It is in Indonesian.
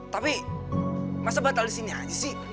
tapi masa batal di sini aja sih